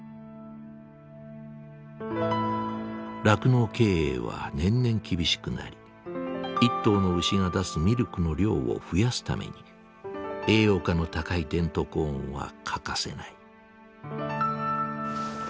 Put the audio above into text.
酪農経営は年々厳しくなり１頭の牛が出すミルクの量を増やすために栄養価の高いデントコーンは欠かせない。